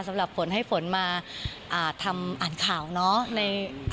สำหรับฝนให้ฝนมาทำอ่านข่าวเนาะ